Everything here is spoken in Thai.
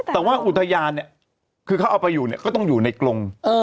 แต่ว่าอุทยานเนี่ยคือเขาเอาไปอยู่เนี่ยก็ต้องอยู่ในกรง